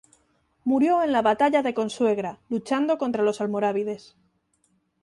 Murió en la Batalla de Consuegra luchando contra los almorávides.